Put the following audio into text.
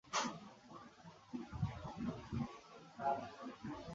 ঘরোয়া প্রথম-শ্রেণীর ইংরেজ কাউন্টি ক্রিকেটে মিডলসেক্স, কেমব্রিজ ও এমসিসি দলের প্রতিনিধিত্ব করেন।